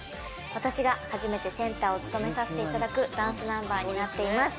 私が初めてセンターを務めさせていただくダンスナンバーになっています。